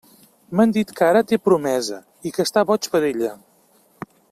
M'han dit que ara té promesa i que està boig per ella.